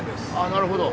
なるほど。